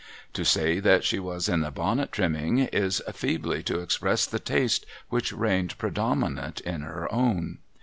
To say that she was in the bonnet trimming is feebly to express the taste which reigned predominant in her own.